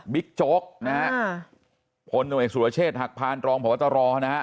บิ๊กโจ๊กผลหนุ่มเอกสุรเชษฐ์หักพานตรองพวัตรอ